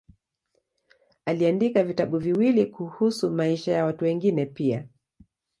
Aliandika vitabu viwili kuhusu maisha ya watu wengine pia.